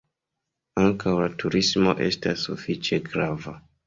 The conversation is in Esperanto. Ankaŭ la turismo estas sufiĉe grava.